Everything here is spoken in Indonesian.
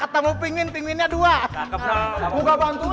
atm tapi setengah delam keris umfokan ring